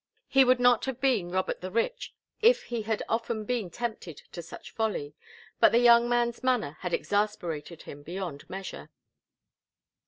He would not have been Robert the Rich if he had often been tempted to such folly, but the young man's manner had exasperated him beyond measure.